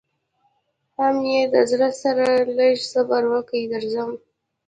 حم ای د زړه سره لږ صبر وکه درځم.